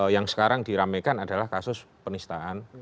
yang sekarang diramaikan adalah kasus penistaan